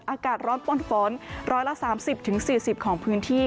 อากาศร้อนปนฝน๑๓๐๔๐ของพื้นที่